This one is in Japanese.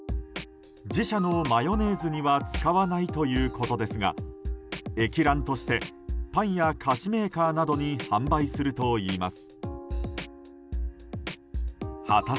自社のマヨネーズには使わないということですが液卵としてパンや菓子メーカーなどに販売するといいます。